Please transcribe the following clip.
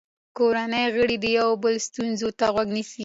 کورنۍ غړي د یو بل ستونزو ته غوږ نیسي